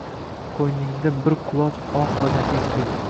Qo’yningda bir quchoq oq va nafis gul